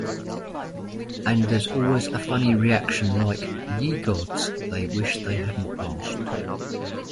And there's always a funny reaction, like 'Ye gods, they wish they hadn't asked.